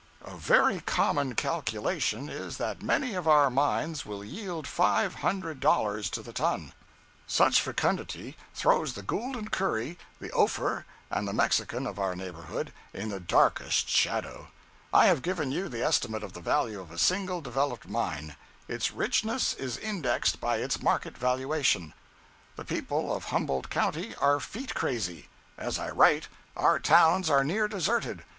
A very common calculation is that many of our mines will yield five hundred dollars to the ton. Such fecundity throws the Gould & Curry, the Ophir and the Mexican, of your neighborhood, in the darkest shadow. I have given you the estimate of the value of a single developed mine. Its richness is indexed by its market valuation. The people of Humboldt county are feet crazy. As I write, our towns are near deserted.